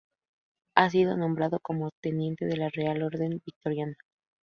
Ha sido nombrado como Teniente de la Real Orden Victoriana.